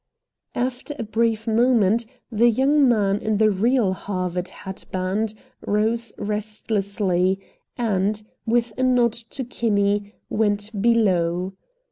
After a brief moment the young man in the real Harvard hat band rose restlessly and, with a nod to Kinney, went below.